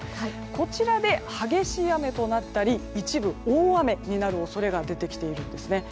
こちらで激しい雨となったり一部、大雨になる恐れが出てきているんですね。